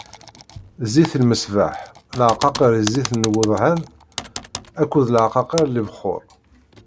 Zzit i lmeṣbaḥ, leɛqaqer i zzit n wedhan akked leɛqaqer i lebxuṛ.